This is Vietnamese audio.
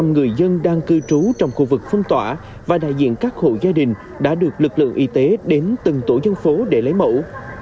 một trăm linh người dân đang cư trú trong khu vực phong tỏa và đại diện các hộ gia đình đã được lực lượng y tế đến từng tổ dân phố để lấy mẫu